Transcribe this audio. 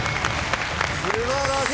素晴らしい！